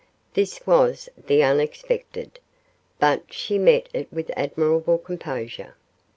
This was the unexpected, but she met it with admirable composure.